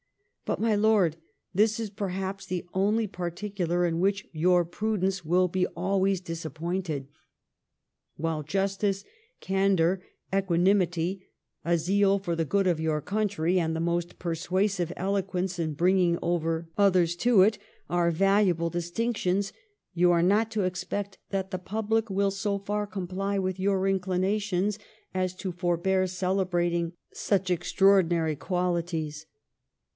But, my lord, this is perhaps the only particular in which your prudence wiU be always disappointed. While justice, candour, equanimity, a zeal for the good of your country, and the most persuasive eloquence in bringing over others to it, are valuable distinctions ; you are not to expect that the public will so far comply with your inclinations, as to for bear celebrating such extraordinary qualities.